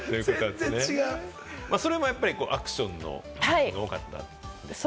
それもやっぱりアクションのものが多かったんですね。